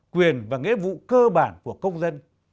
quyền và nghĩa vụ cơ bản của công dân